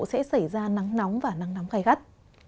sẽ xảy ra nắng nóng và nắng nóng gai gắt